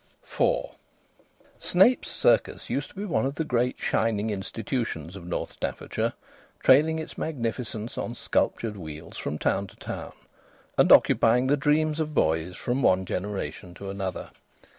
IV Snape's Circus used to be one of the great shining institutions of North Staffordshire, trailing its magnificence on sculptured wheels from town to town, and occupying the dreams of boys from one generation to another.